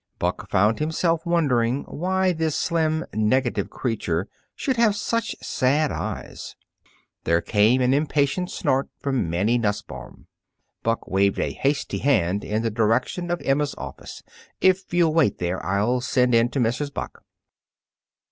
Buck found himself wondering why this slim, negative creature should have such sad eyes. There came an impatient snort from Mannie Nussbaum. Buck waved a hasty hand in the direction of Emma's office. "If you'll wait there, I'll send in to Mrs. Buck."